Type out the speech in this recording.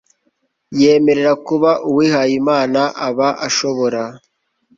yemerera kuba uwihaye imana aba ashobora